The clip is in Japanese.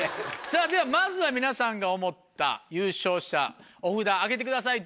さぁまずは皆さんが思った優勝者お札あげてください